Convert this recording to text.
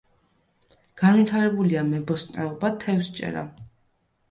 განვითარებულია მებოსტნეობა, თევზჭერა.